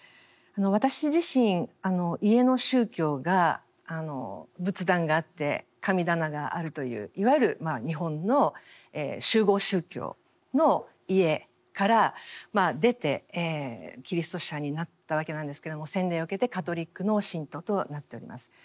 私自身家の宗教が仏壇があって神棚があるといういわゆる日本の習合宗教の家から出てキリスト者になったわけなんですけれども洗礼を受けてカトリックの信徒となっております。